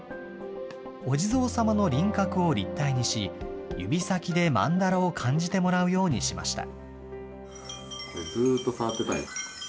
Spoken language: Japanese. お地蔵さまの輪郭を立体にし、指先でまんだらを感じてもらうようにしました。